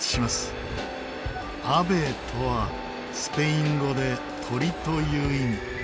ＡＶＥとはスペイン語で鳥という意味。